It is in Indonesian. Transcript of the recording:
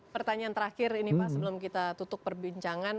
pertanyaan terakhir ini pak sebelum kita tutup perbincangan